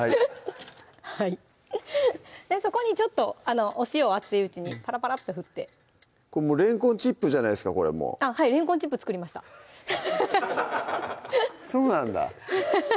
そこにちょっとお塩を熱いうちにパラパラッと振ってこれもうれんこんチップじゃないですかはいれんこんチップ作りましたそうなんだ